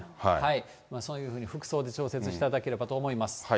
そういうふうに、服装で調節していただければと思います。